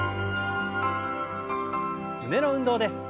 胸の運動です。